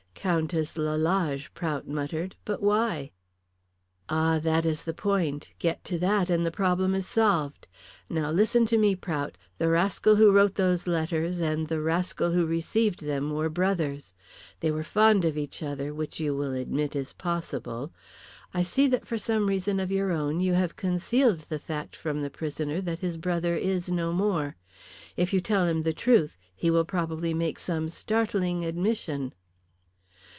"Countess Lalage," Prout muttered. "But why?" "Ah, that is the point. Get to that, and the problem is solved. Now listen to me, Prout. The rascal who wrote those letters and the rascal who received them were brothers. They were fond of each other, which you will admit is possible. I see that for some reason of your own you have concealed the fact from the prisoner that his brother is no more. If you tell him the truth he will probably make some startling admission."